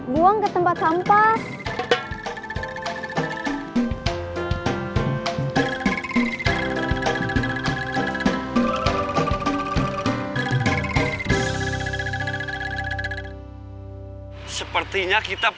buang ke tempat sampas